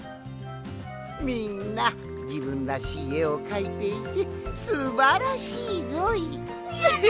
みんなじぶんらしいえをかいていてすばらしいぞい！